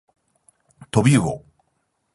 とびうお